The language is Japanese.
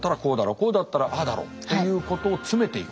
「こうだったらああだろ」ということを詰めていく。